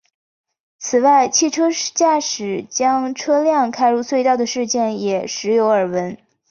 此外汽车驾驶将车辆开入隧道的事件也时有耳闻。